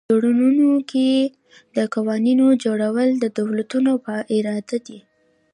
په تړونونو کې د قوانینو جوړول د دولتونو په اراده دي